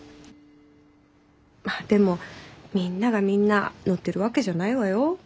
まあでもみんながみんなのってるわけじゃないわよ？